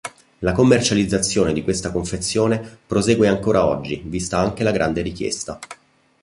La commercializzazione di questa confezione prosegue ancora oggi, vista anche la grande richiesta.